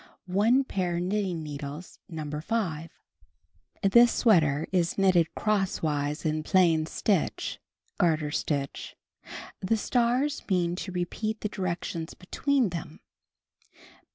1 pair knit ting needles No. 5. This sweater is knitted crosswise in plain stitch. (Garter stitch.) The stars mean to repeat the directions between them.